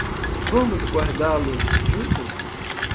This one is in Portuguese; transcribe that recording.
Vamos guardá-los juntos.